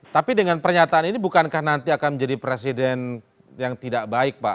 tapi dengan pernyataan ini bukankah nanti akan menjadi presiden yang tidak baik pak